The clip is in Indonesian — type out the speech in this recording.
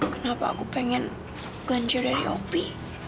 kenapa aku pengen glenn jauh dari hopi